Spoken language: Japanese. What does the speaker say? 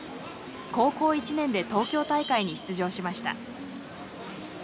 高校１年で東京大会に出場しました。